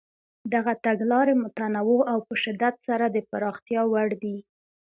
دغه تګلارې متنوع او په شدت سره د پراختیا وړ دي.